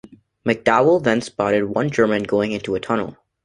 MacDowell then spotted one German going into a tunnel.